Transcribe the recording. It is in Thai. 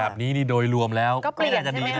แบบนี้โดยรวมแล้วก็เปลี่ยนใช่ไหมคะ